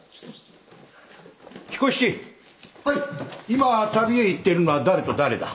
今旅へ行っているのは誰と誰だ？